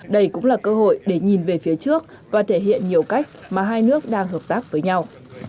đây cũng là cơ hội để nhìn về phía trước và thể hiện nhiều cách mà hai nước đang hợp tác với nhau